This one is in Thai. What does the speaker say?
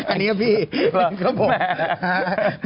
อันนี้พี่ครับผม